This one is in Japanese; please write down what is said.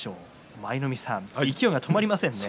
舞の海さん勢いが止まりませんね。